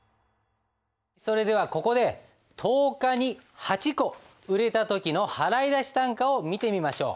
それではここで１０日に８個売れた時の払出単価を見てみましょう。